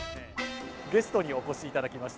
ゲストにお越しいただきました。